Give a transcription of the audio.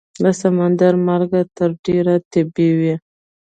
د سمندر مالګه تر ډېره طبیعي وي.